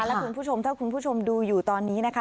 และคุณผู้ชมถ้าคุณผู้ชมดูอยู่ตอนนี้นะคะ